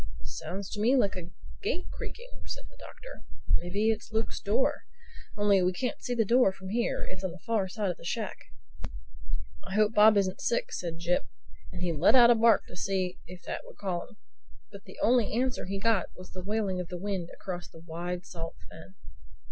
"Sounds to me like a gate creaking," said the Doctor. "Maybe it's Luke's door, only we can't see the door from here; it's on the far side of the shack." "I hope Bob isn't sick," said Jip; and he let out a bark to see if that would call him. But the only answer he got was the wailing of the wind across the wide, salt fen.